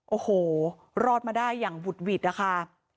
โอ้หูรอดมาได้อย่างบุดอ่ะค่ะ